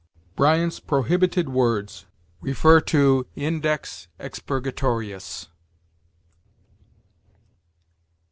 BRYANT'S PROHIBITED WORDS. See INDEX EXPURGATORIUS.